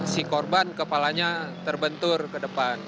si korban kepalanya terbentur ke depan